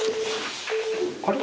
あれ？